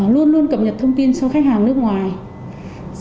luôn luôn cập nhật thông tin cho khách hàng nước ngoài